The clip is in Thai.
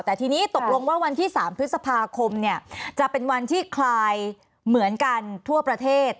แต่ทีนี้ตกลงว่าวันที่๓พฤษภาคมเนี่ยจะเป็นวันที่คลายเหมือนกันทั่วประเทศ